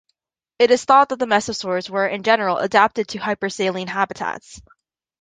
It is thought that mesosaurs were in general adapted to hypersaline habitats.